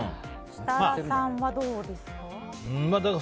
設楽さんはどうですか？